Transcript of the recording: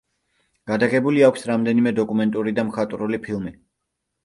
გადაღებული აქვს რამდენიმე დოკუმენტური და მხატვრული ფილმი.